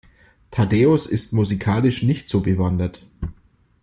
Thaddäus ist musikalisch nicht so bewandert.